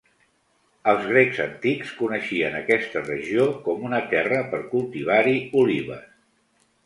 Els grecs antics coneixien aquesta regió com una terra per cultivar-hi olives.